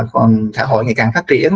xã hội ngày càng phát triển